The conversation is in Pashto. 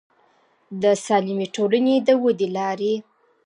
د سالمې ټولنې د ودې لارې